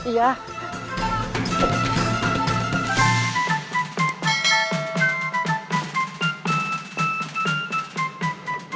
sampai jumpa lagi